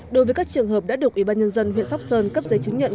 đối với các trường hợp đã được ủy ban nhân dân huyện sóc sơn cấp giấy chứng nhận